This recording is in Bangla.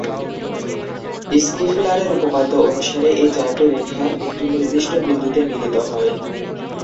স্কিফলারের উপপাদ্য অনুসারে, এই চারটি রেখা একটি নির্দিষ্ট বিন্দুতে মিলিত হয়।